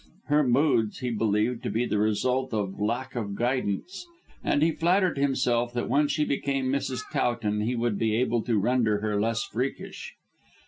Her moods he believed to be the result of lack of guidance, and he flattered himself that when she became Mrs. Towton he would be able to render her less freakish.